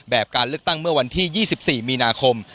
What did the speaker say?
การเลือกตั้งเมื่อวันที่๒๔มีนาคม